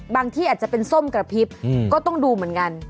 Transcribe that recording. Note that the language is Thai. ที่อาจจะเป็นส้มกระพริบก็ต้องดูเหมือนกัน